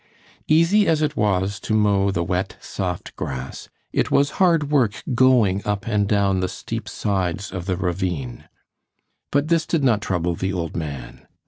Easy as it was to mow the wet, soft grass, it was hard work going up and down the steep sides of the ravine. But this did not trouble the old man.